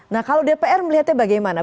nah kalau dpr melihatnya bagaimana